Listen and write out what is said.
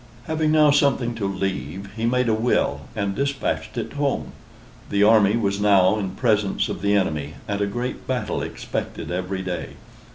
Having now something to leave, he made a will and despatched it home. The army was now in presence of the enemy; and a great battle expected every day.